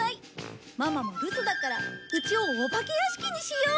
ママも留守だから家をお化け屋敷にしよう！